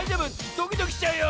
ドキドキしちゃうよ！